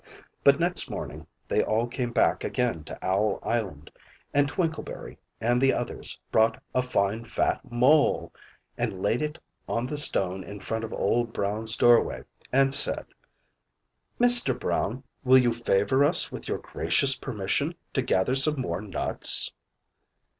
But next morning they all came back again to Owl Island; and Twinkleberry and the others brought a fine fat mole, and laid it on the stone in front of Old Brown's doorway, and said "Mr. Brown, will you favour us with your gracious permission to gather some more nuts?"